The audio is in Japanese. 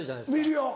見るよ。